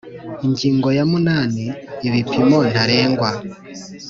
Ingingo ya munani Ibipimo ntarengwa